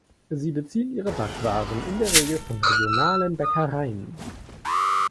Sie beziehen ihre Backwaren in der Regel von regionalen Bäckereien.